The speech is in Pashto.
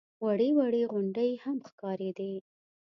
وړې وړې غونډۍ هم ښکارېدې.